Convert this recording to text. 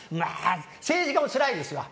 政治家もつらいですわ。